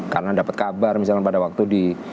karena dapat kabar misalkan pada waktu